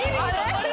あれ？